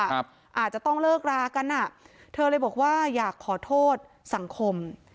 อาจจะต้องเลิกรากันอ่ะเธอเลยบอกว่าอยากขอโทษสังคม